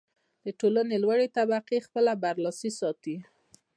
د ټولنې لوړې طبقې خپله برلاسي ساتي.